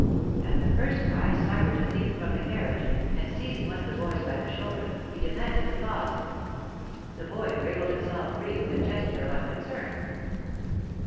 At the first cry Sybert had leaped from the carriage, and seizing one of the boys by the shoulder, he demanded the cause. The boy wriggled himself free with a gesture of unconcern.